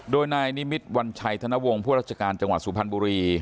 โดยนายนิมิตรวัญชัยธนวงศ์ผู้ราชการจังหวัดสุพรรณบุรี